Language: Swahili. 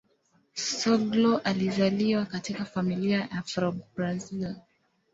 Soglo alizaliwa katika familia ya Afro-Brazil.